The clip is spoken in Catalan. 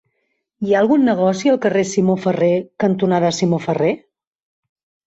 Hi ha algun negoci al carrer Simó Ferrer cantonada Simó Ferrer?